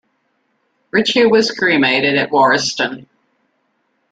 Ritchie was cremated at Warriston.